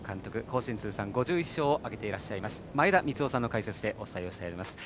甲子園通算５１勝を挙げています前田三夫さんの解説でお伝えしております。